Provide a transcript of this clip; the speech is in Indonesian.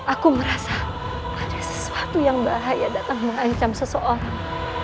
aku merasa ada sesuatu yang bahaya datang mengancam seseorang